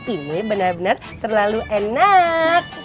ini bener bener terlalu enak